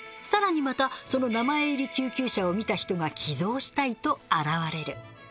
またその名前入り救急車を見た人が寄贈したいと現れる。